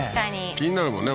気になるもんね